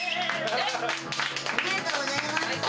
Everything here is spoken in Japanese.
ありがとうございます。